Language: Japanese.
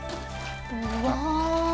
うわ。